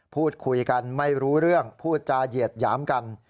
พูดคุยกันไม่รู้เรื่องพูดจาเหยียดหยามกัน